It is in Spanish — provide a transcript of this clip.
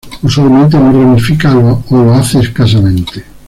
Usualmente no ramifica o lo hace escasamente.